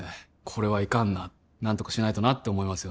これはいかんな何とかしないとなって思いますよね